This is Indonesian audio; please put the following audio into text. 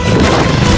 sama sama dengan kamu